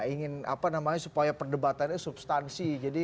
ingin apa namanya supaya perdebatannya substansi